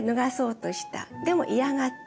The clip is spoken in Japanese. でも嫌がった。